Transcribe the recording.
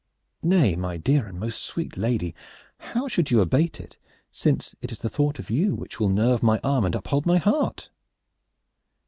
"Nay, my dear and most sweet lady, how should you abate it, since it is the thought of you which will nerve my arm and uphold my heart?"